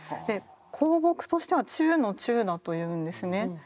香木としては中の中だというんですね。